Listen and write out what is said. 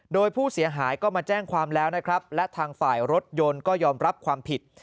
โดยผู้เสียหายก็มาแจ้งความแล้วนะครับและทางฝ่ายรถยนต์ก็ยอมรับความผิด